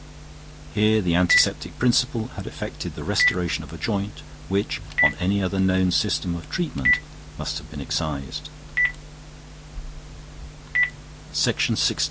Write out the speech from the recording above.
Here the antiseptic principle had effected the restoration of a joint, which, on any other known system of treatment, must have been excised.